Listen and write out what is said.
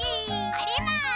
おります！